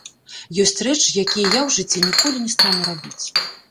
Ёсць рэчы, якія я ў жыцці ніколі не стану рабіць.